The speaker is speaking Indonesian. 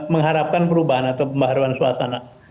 mengharapkan perubahan atau pembaharuan suasana